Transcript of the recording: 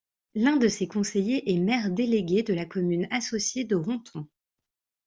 L'un de ces conseillers est maire délégué de la commune associée de Ronthon.